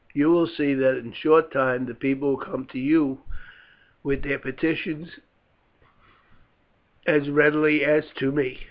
You will see that in a short time the people will come to you with their petitions as readily as to me."